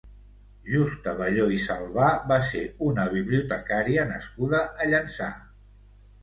Justa Balló i Salvà va ser una bibliotecària nascuda a Llançà.